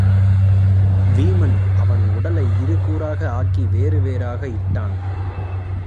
வீமன் அவன் உடலை இருகூறாக ஆக்கி வேறு வேறாக இட்டான்.